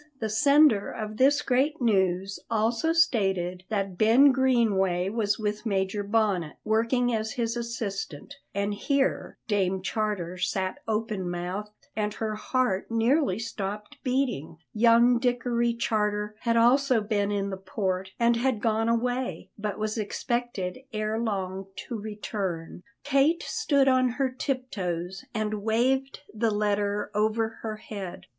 The sender of this great news also stated that Ben Greenway was with Major Bonnet, working as his assistant and here Dame Charter sat open mouthed and her heart nearly stopped beating young Dickory Charter had also been in the port and had gone away, but was expected ere long to return. Kate stood on her tip toes and waved the letter over her head.